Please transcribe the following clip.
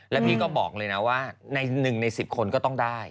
แล้วพี่ก็บอกเลยนะว่าใน๑ใน๑๐คนก็ต้องได้